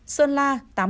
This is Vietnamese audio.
sơn la tám mươi một